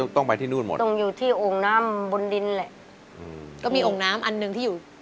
ต้องไปที่นู่นหมดต้องอยู่ที่โอ่งน้ำบนดินแหละก็มีโอ่งน้ำอันหนึ่งที่อยู่